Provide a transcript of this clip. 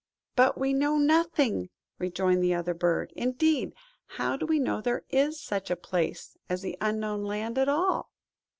"But we know nothing," rejoined the other bird; "indeed, how do we know there is such a place as the Unknown Land at all?"